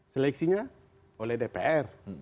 seleksinya oleh dpr